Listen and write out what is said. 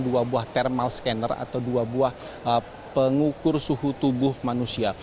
dua buah thermal scanner atau dua buah pengukur suhu tubuh manusia